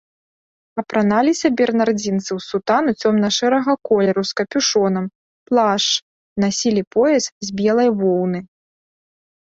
Апраналіся бернардзінцы ў сутану цёмна-шэрага колеру з капюшонам, плашч, насілі пояс з белай воўны.